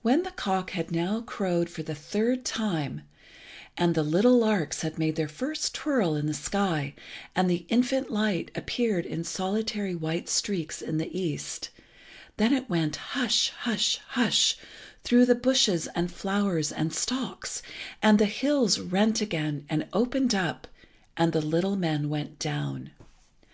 When the cock had now crowed for the third time, and the little larks had made their first twirl in the sky, and the infant light appeared in solitary white streaks in the east, then it went hush, hush, hush, through the bushes and flowers and stalks, and the hills rent again, and opened up, and the little men went down.